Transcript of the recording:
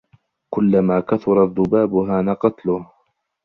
كلما كثر الذباب هان قتله